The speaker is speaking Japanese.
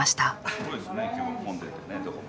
すごいですね今日は混んでてねどこも。